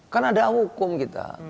kan ada hukum kita